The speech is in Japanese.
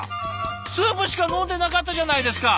スープしか飲んでなかったじゃないですか！